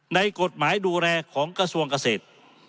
ในกฎหมายดูแลของกระทรวงเกษตร